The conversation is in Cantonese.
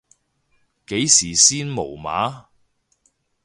幾時先無碼？